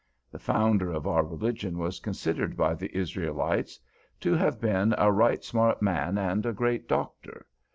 The Founder of our religion was considered by the Israelites to have been "a right smart man and a great doctor."